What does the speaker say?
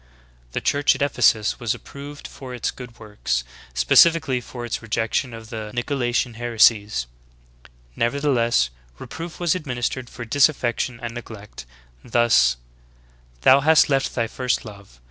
14. The church at Ephesus was approved for its good works, specifically for its rejection of the^ Nicolaitean her esies ; nevertheless reproof was administered for disaffection and neglect, thus: — "thou hast left thy first love.